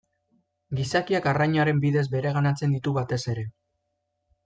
Gizakiak arrainaren bidez bereganatzen ditu batez ere.